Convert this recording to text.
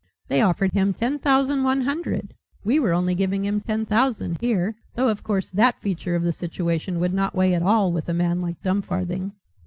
They offered him ten thousand one hundred; we were only giving him ten thousand here, though of course that feature of the situation would not weigh at all with a man like Dumfarthing."